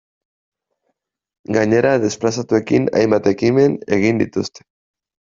Gainera desplazatuekin hainbat ekimen egin dituzte.